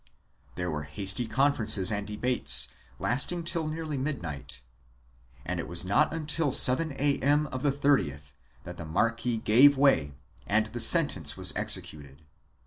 There were hasty conferences and debates, lasting to nearly midnight, and it was not until 7 A.M. of the 30th that the marquis gave way and the sentence was executed.